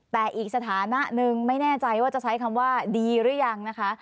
แต่อีกสถานะหนึ่งไม่แน่ใจว่าจะใช้คำว่าดีหรือยังนะคะ